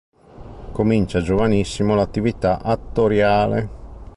Comincia giovanissimo l'attività attoriale.